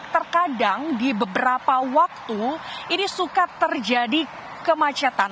terkadang di beberapa waktu ini suka terjadi kemacetan